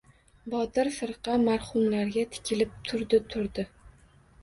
Botir firqa marhumlarga tikilib turdi-turdi...